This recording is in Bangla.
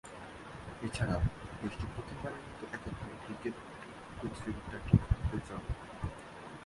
এছাড়াও, দেশটি প্রথমবারের মতো এককভাবে ক্রিকেট প্রতিযোগিতাটি পরিচালনা করবে।